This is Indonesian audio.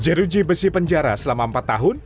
jeruji besi penjara selama empat tahun